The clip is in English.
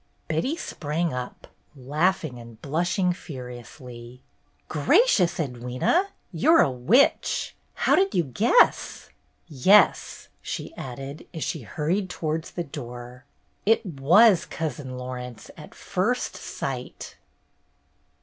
Betty sprang up, laughing and blushing furiously. "Gracious, Edwyna, you're a witch! How dici you guess Yes," she added, as she hurried towards the door, "it was 'Cousin Laurence' at first sight!"